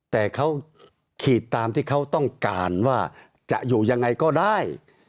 แต่เขาขีดตามที่เขาต้องการว่าจะอยู่ยังไงก็ได้